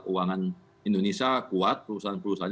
keuangan indonesia kuat perusahaan perusahaan